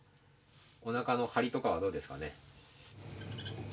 おなかの張りとかはどうですかね？